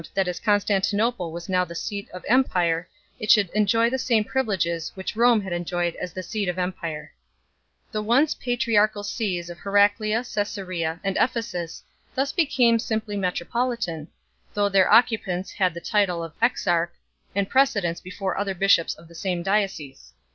that as Constantinople was now the seat of empire it should enjoy the same privileges which Home had enjoyed as the seat of empire \ The once patriarchal sees of He raclea, Csesarea and Ephesus thus became simply metro politan, though their occupants had the title of exarch, and precedence before other bishops of the same diocese.